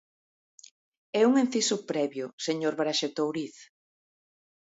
E un inciso previo, señor Braxe Touriz.